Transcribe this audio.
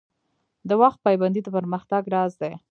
د وخت پابندي د پرمختګ راز دی